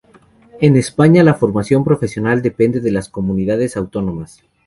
En España la formación profesional depende de las comunidades autónomas.